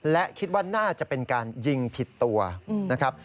และคิดว่าน่าจะเป็นการยิงผิดตัวนะครับ